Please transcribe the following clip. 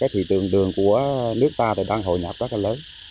thì tường đường của nước ta thì đang hội nhập rất là lớn